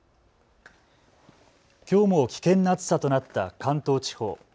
きょうも危険な暑さとなった関東地方。